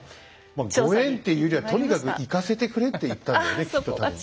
まあご縁っていうよりはとにかく行かせてくれって言ったんだねきっと多分。